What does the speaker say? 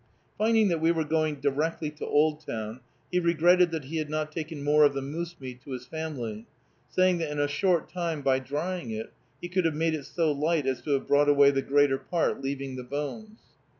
Finding that we were going directly to Oldtown, he regretted that he had not taken more of the moose meat to his family, saying that in a short time, by drying it, he could have made it so light as to have brought away the greater part, leaving the bones.